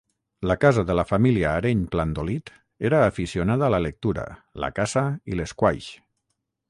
La casa de la família Areny-Plandolit era aficionada a la lectura, la caça i l'esquaix.